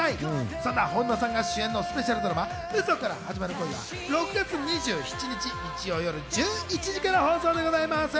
そんな本田さんが主演のスペシャルドラマ『嘘から始まる恋』、６月２７日、日曜夜１１時から放送です。